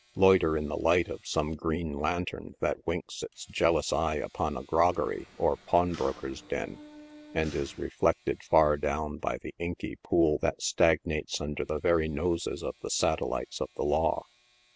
Loiter in the light of some green lantern that winks its jealous eye upon a groggery or pawnbroker's den, and is reflected tar down by the inky pool that stagnates under the very noses of the satellites of the law.